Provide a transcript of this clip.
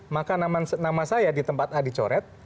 maka nama saya di tempat a dicoret